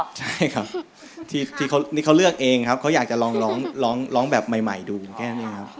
ใช่ครับที่เขานี่เขาเลือกเองครับเขาอยากจะลองร้องแบบใหม่ดูแค่นี้ครับ